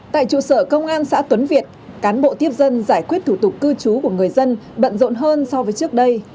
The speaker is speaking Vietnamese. tại trụ sở công an xã tuấn việt cán bộ tiếp dân giải quyết thủ tục cư trú của người dân bận rộn hơn so với trước đây